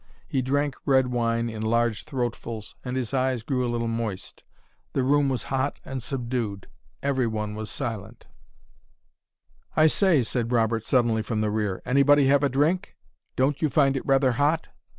He drank red wine in large throatfuls, and his eyes grew a little moist. The room was hot and subdued, everyone was silent. "I say," said Robert suddenly, from the rear "anybody have a drink? Don't you find it rather hot?"